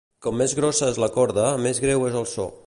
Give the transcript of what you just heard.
Com més grossa és la corda, més greu és el so.